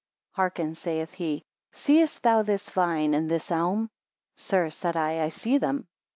Hearken, saith he; seest thou this vine and this elm? Sir, said I, I see them.